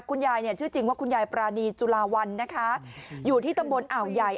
คุณยายเนี่ยชื่อจริงว่าคุณยายปรานีจุลาวันนะคะอยู่ที่ตำบลอ่าวใหญ่